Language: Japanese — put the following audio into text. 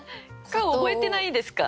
顔覚えてないんですか？